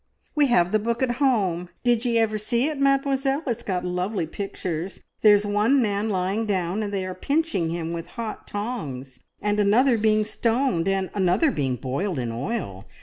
"We have the book at home. Did ye ever see it, Mademoiselle? It's got lovely pictures! There's one man lying down and they are pinching him with hot tongs, and another being stoned, and another being boiled in oil.